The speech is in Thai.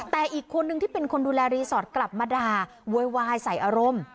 แต่อีกคนนึงที่เป็นคนดูแลรีสอร์ทกลับมาด่าโวยวายใส่อารมณ์